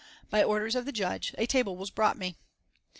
By orders of the Judge a table was brought me.